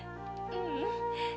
ううん。